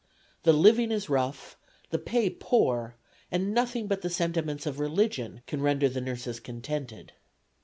The living is rough, the pay poor, and nothing but the sentiments of religion can render the nurses contented."